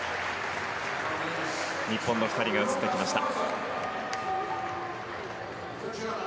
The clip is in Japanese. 日本の２人が映ってきました。